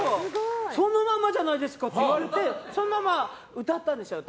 そのままじゃないですかって言われて歌ったんですよ。